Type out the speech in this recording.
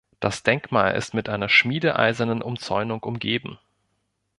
Das Denkmal ist mit einer schmiedeeisernen Umzäunung umgeben.